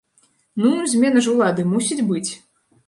Ну, змена ж улады мусіць быць.